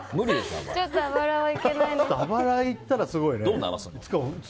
あばらいったらすごいね。